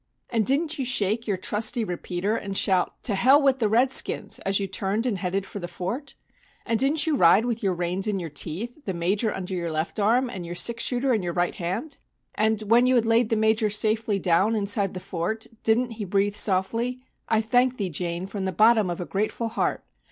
And didn't you shake your trusty repeater and shout 'To hell with the redskins!' as you turned and headed for the fort? And didn't you ride with your reins in your teeth, the Major under your left arm and your six shooter in your right hand? And when you had laid the Major safely down inside the Fort, didn't he breathe softly, 'I thank thee Jane from the bottom of a grateful heart.